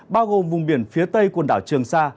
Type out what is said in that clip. bao gồm vùng biển phía tây quần đảo trường sa